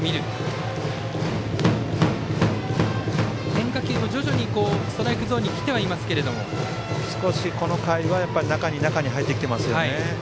変化球も徐々にストライクゾーンに来てはいますけども少しこの回は中に中に入ってきてますね。